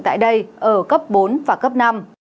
tại đây ở cấp bốn và cấp năm